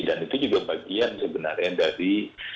dan itu juga bagian sebenarnya dari